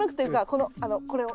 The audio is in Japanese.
このこれを。